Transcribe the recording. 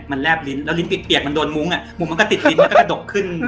มันแลบลิ้นแล้วลิ้นเปียกมันโดนมุ้งมุ้งมันก็ติดลิ้นแล้วก็กระดกขึ้น